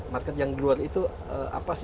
market yang di luar itu apa sih